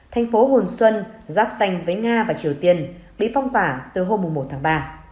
thành phố hồn xuân giáp danh với nga và triều tiên bị phong tỏa từ hôm một tháng ba